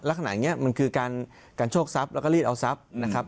ลักษณะอย่างนี้มันคือการโชคทรัพย์แล้วก็รีดเอาทรัพย์นะครับ